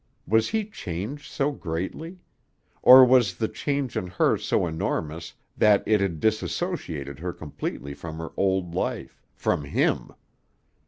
Was he changed so greatly? Or was the change in her so enormous that it had disassociated her completely from her old life, from him?